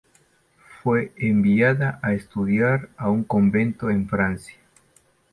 Fue enviada a estudiar a un convento en Francia.